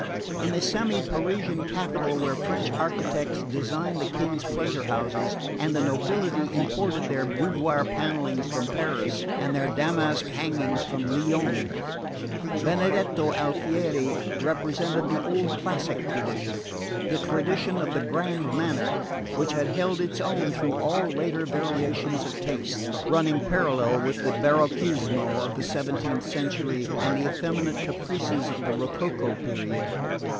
In the semi Parisian capital where French architects designed the King's pleasure houses and the nobility imported their boudoir panellings from Paris and their damask hangings from Lyons, Benedetto Alfieri represented the old classic tradition, the tradition of the "grand manner," which had held its own through all later variations of taste, running parallel with the barocchismo of the seventeenth century and the effeminate caprices of the rococo period.